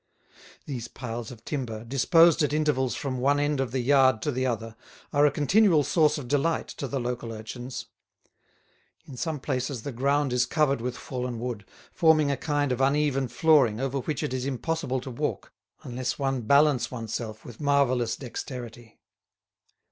These piles of timber, disposed at intervals from one end of the yard to the other, are a continual source of delight to the local urchins. In some places the ground is covered with fallen wood, forming a kind of uneven flooring over which it is impossible to walk, unless one balance one's self with marvellous dexterity.